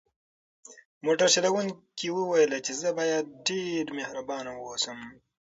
موټر چلونکي وویل چې زه باید ډېر مهربان واوسم.